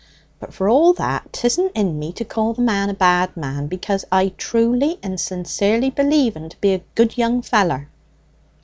But for all that 'tisn't in me to call the man a bad man, because I truly and sincerely believe en to be a good young feller."